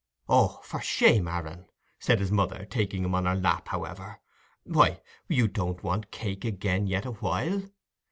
"Oh, for shame, Aaron," said his mother, taking him on her lap, however; "why, you don't want cake again yet awhile.